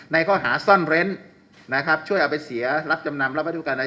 ในข้อหาส้อนเล้นนะครับช่วยเอาไปเสียรับจำนำรับวัตถุการณ์